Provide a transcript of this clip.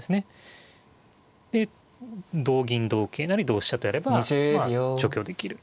で同銀同桂成同飛車とやればまあ除去できる。